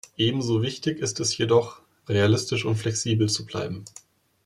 Ebenso wichtig ist es jedoch, realistisch und flexibel zu bleiben.